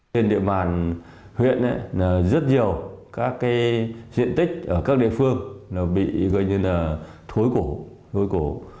trên địa bàn huyện rất nhiều các diện tích ở các địa phương bị gọi như là thối củ